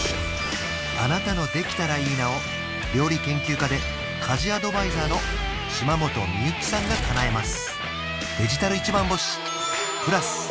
あなたの「できたらいいな」を料理研究家で家事アドバイザーの島本美由紀さんがかなえます